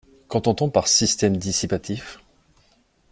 Qu'entend-t-on par système dissipatif?